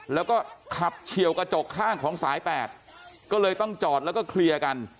แล้วก็ขับเฉียวกระจกข้างของสายแปดก็เลยต้องจอดแล้วก็เคลียร์กัน